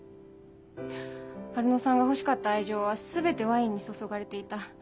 春乃さんが欲しかった愛情は全てワインに注がれていた。